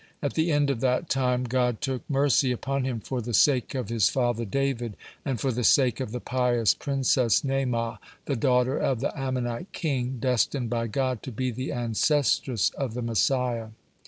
At the end of that time, God took mercy upon him for the sake of his father David, and for the sake of the pious princess Naamah, the daughter of the Ammonite king, destined by God to be the ancestress of the Messiah.